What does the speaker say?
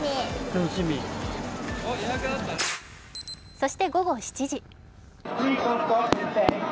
そして午後７時。